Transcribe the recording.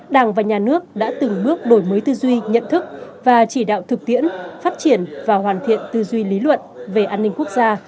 đảng và nhà nước đã từng bước đổi mới tư duy nhận thức và chỉ đạo thực tiễn phát triển và hoàn thiện tư duy lý luận về an ninh quốc gia